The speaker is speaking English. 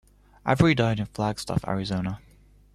Avery died in Flagstaff, Arizona.